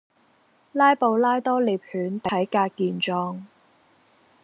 拉布拉多獵犬體格健壯